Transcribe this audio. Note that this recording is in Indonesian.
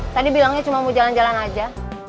tadi bilangnya cuma mau jalan jalan aja